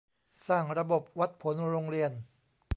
สร้างระบบวัดผลโรงเรียน